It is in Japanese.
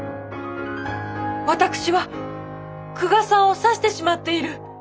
私は久我さんを刺してしまっている。